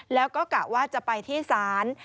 แล้วก็กะว่าจะไปที่ศาล